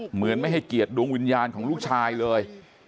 เหมือนไม่ให้เกียรติดวงวิญญาณของลูกชายเลย